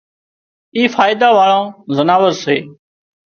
اي فائيڌا واۯان زناور سي